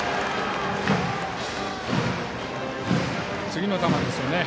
次の球ですよね。